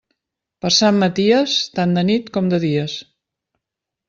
Per Sant Maties, tant de nit com de dies.